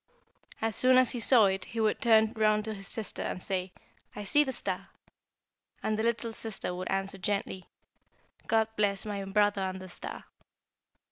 As soon as he saw it he would turn round to his sister, and say, 'I see the star,' and the little sister would answer gently, 'God bless my brother and the star!'